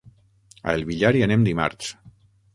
A el Villar hi anem dimarts.